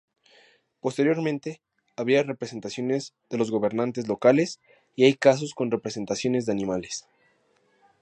Posteriormente habría representaciones de los gobernantes locales y hay casos con representaciones de animales.